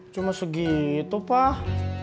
cuma segitu pak